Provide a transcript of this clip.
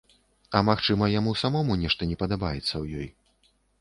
А магчыма, яму самому нешта не падабаецца ў ёй.